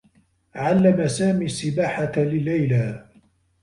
علّم سامي السّباحة لليلى.